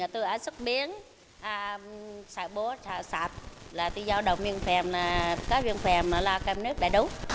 từ sức biến sạch bố sạch sạch là tùy do đồng viên phèm các viên phèm là cầm nước đại đấu